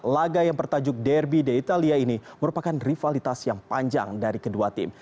laga yang bertajuk derby di italia ini merupakan rivalitas yang panjang dari kedua tim